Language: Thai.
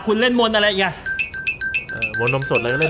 คุณเล่นมนอะไรอีกอ่ะเออมนนมสดอะไรก็เล่นไปก่อน